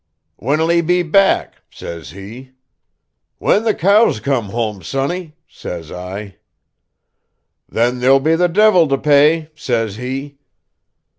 'When'll he be back?' says he. 'When the cows come home, sonny,' says I. 'Then there'll be the divil to pay,' says he.